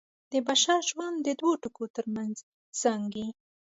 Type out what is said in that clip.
د بشر ژوند د دوو ټکو تر منځ زانګي.